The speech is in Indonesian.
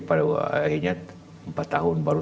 akhirnya empat tahun baru